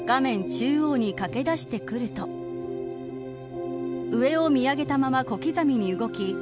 中央に駆け出してくると上を見上げたまま小刻みに動き